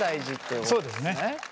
そうですね。